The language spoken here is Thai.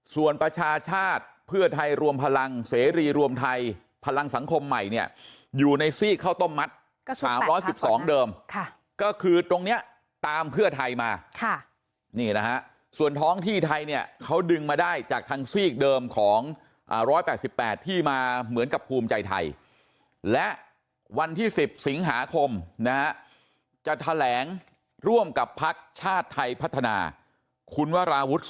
ส่วนประชาชาติเพื่อไทยรวมพลังเสรีรวมไทยพลังสังคมใหม่เนี่ยอยู่ในซีกข้าวต้มมัด๓๑๒เดิมก็คือตรงนี้ตามเพื่อไทยมานี่นะฮะส่วนท้องที่ไทยเนี่ยเขาดึงมาได้จากทางซีกเดิมของ๑๘๘ที่มาเหมือนกับภูมิใจไทยและวันที่๑๐สิงหาคมนะฮะจะแถลงร่วมกับพักชาติไทยพัฒนาคุณวราวุฒิ